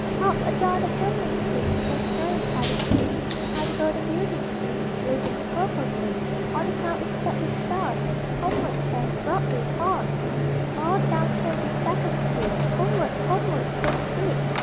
Hark, adown the canyon street Flows the merry tide of feet; High the golden buildings loom Blazing in the purple gloom; All the town is set with stars, Homeward chant the Broadway cars! All down Thirty second Street Homeward, Homeward, say the feet!